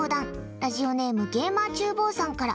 ラジオネームゲーマーちゅうぼうさんから。